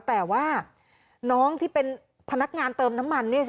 แต่ว่าน้องที่เป็นพนักงานเติมน้ำมันนี่สิ